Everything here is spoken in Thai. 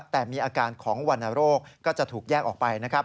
แต่มีอาการของวรรณโรคก็จะถูกแยกออกไป